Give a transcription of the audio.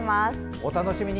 お楽しみに！